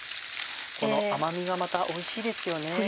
この甘みがまたおいしいですよね。